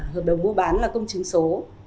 hợp đồng mua bán là công chứng số